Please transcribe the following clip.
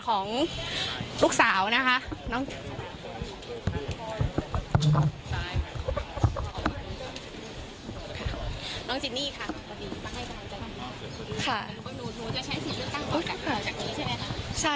คุณค่ะ